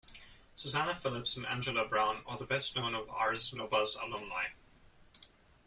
Susanna Phillips and Angela Brown are the best known of Ars Nova's alumni.